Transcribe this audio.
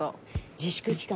自粛期間